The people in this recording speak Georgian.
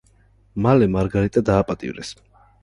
მალე მარგარიტა დააპატიმრეს.